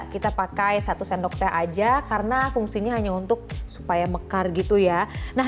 kita pakai satu sendok teh aja karena fungsinya hanya untuk supaya mekar gitu ya nah